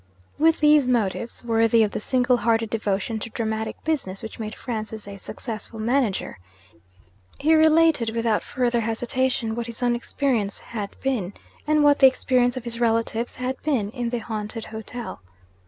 With these motives (worthy of the single hearted devotion to dramatic business which made Francis a successful manager) he related, without further hesitation, what his own experience had been, and what the experience of his relatives had been, in the haunted hotel.